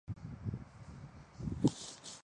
他同时也入选了欧洲联赛的赛季最佳阵容。